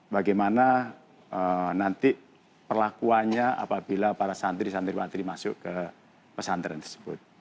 bagaimana nanti perlakuannya apabila para santri santri santri masuk ke pesantren tersebut